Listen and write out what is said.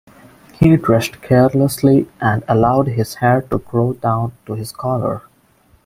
He dressed carelessly and allowed his hair to grow down to his collar.